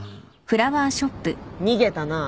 逃げたな。